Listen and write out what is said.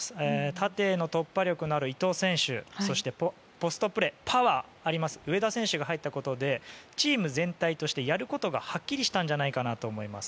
縦への突破力のある伊東選手そしてポストプレーパワーがある上田選手が入ったことでチーム全体として、やることがはっきりしたんじゃないかなと思います。